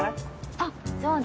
あっそうだ